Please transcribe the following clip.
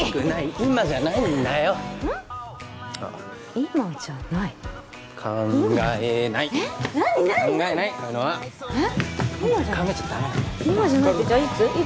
今じゃないってじゃあいつ？